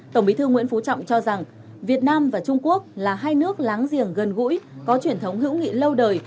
tổng bí thư nguyễn phú trọng cho rằng việt nam và trung quốc là hai nước láng giềng gần gũi có truyền thống hữu nghị lâu đời